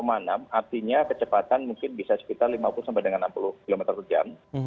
artinya kecepatan mungkin bisa sekitar lima puluh sampai dengan enam puluh km per jam